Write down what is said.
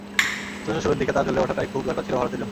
অথচ শুরুর দিকে তাঁর জ্বলে ওঠাটাই খুব দরকার ছিল ভারতের জন্য।